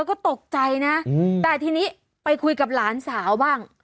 ก็ตกใจนะแต่ทีนี้ไปคุยกับหลานสาวบ้าง